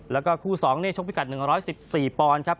แล้วก็คู่สองเนี่ยชกพิกัด๑๑๔ปรณครับ